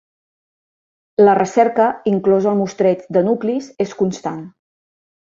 La recerca, inclòs el mostreig de nuclis, és constant.